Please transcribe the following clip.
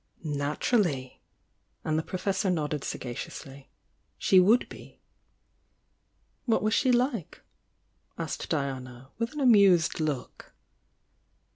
"Naturally!" and the Professor nodded sagacious ly— "She would be!" ,. 'What was she like?" asked Diana, with an amused look.